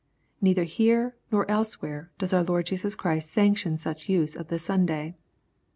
Neither here, nor elsewhere, does our Lord Jesus Christ sanction such use of the Sunday.